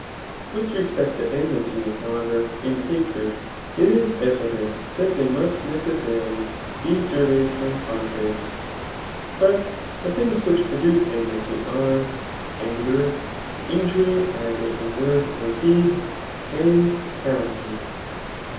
WiTK respect to eikmity, however, and hatred, it it evident Aac diey must r necessarily be sorveyed finm contraries. Bdt the things which produce enmity utf anger, ii^ury either in word or deed,* and cadunmy.